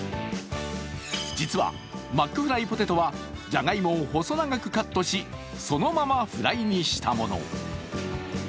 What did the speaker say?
実はマックフライポテトは、じゃがいもを細長くカットし、そのままフライにしたもの。